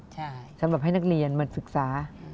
ใช่สำหรับให้นักเรียนมาศึกษา